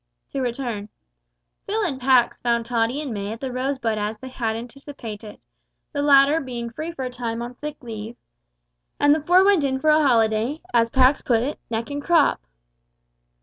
To return: Phil and Pax found Tottie and May at The Rosebud as they had anticipated the latter being free for a time on sick leave and the four went in for a holiday, as Pax put it, neck and crop.